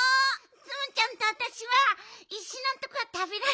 ツムちゃんとあたしはいしのとこはたべられなかった。